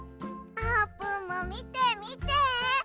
あーぷんもみてみて！